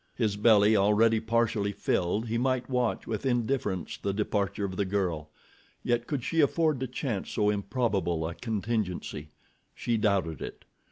His belly already partially filled, he might watch with indifference the departure of the girl; yet could she afford to chance so improbable a contingency? She doubted it.